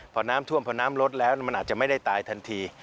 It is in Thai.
พอน้ำท่วมพอน้ำลดแล้วมันอาจจะไม่ได้ตายทันที